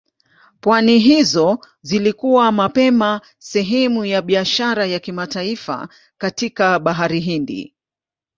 Pwani hizo zilikuwa mapema sehemu ya biashara ya kimataifa katika Bahari Hindi.